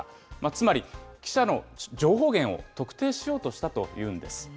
つまり、記者の情報源を特定しようとしたというんです。